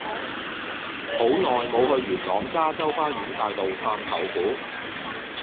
好耐無去元朗加州花園大道探舅父